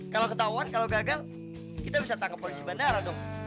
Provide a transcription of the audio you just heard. kalau ketahuan kalau gagal kita bisa tangkap polisi bandara dong